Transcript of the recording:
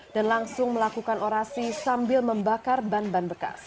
dan langsung melakukan orasi sambil membakar ban ban bekas